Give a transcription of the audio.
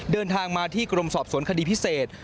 เดินทางมาที่กรมสอบสวนคดีพิเศษ